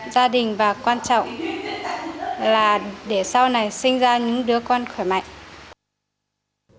gia đình và quan trọng là để sau này sinh ra những đứa con khỏe mạnh